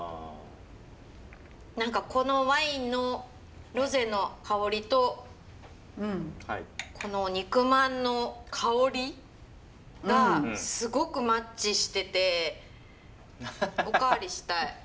何かこのワインのロゼの香りとこの肉まんの香りがすごくマッチしててお代わりしたい。